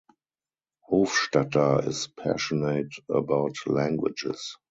Hofstadter is passionate about languages.